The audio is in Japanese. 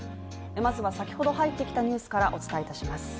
まずは先ほど入ってきたニュースからお伝えいたします。